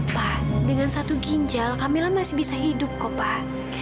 pak dengan satu ginjal kamila masih bisa hidup kok pak